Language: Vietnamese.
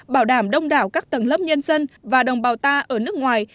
bảo đảm đông đảo các tầng lớp nhân dân và đồng bào ta ở nước ngoài